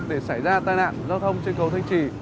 để xảy ra tai nạn giao thông trên cầu thanh trì